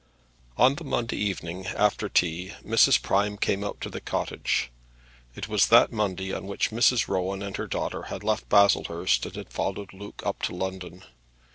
On the Monday evening, after tea, Mrs. Prime came out to the cottage. It was that Monday on which Mrs. Rowan and her daughter had left Baslehurst and had followed Luke up to London.